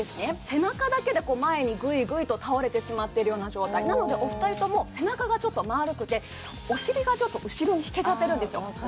背中だけで前にグイグイと倒れてしまっているような状態なのでお二人とも背中がちょっと丸くてお尻がちょっと後ろに引けちゃってるんですよ